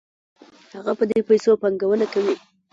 هغه په دې پیسو پانګونه کوي